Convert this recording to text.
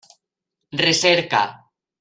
Recerca.